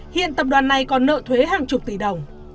hiện tập đoàn này còn nợ thuế hàng chục tỷ đồng